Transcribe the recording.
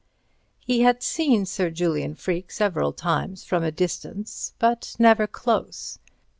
He had seen Sir Julian Freke several times from a distance, but never close.